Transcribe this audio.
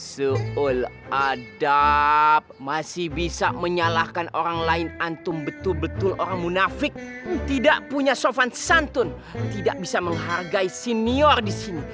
seolah adab masih bisa menyalahkan orang lain antum betul betul orang munafik tidak punya sofan santun tidak bisa menghargai senior di sini